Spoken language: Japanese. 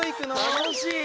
楽しい！